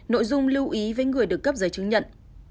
nội dung lưu ý với người được cấp giấy chứng nhận